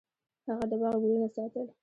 هغه د باغ ګلونه ساتل.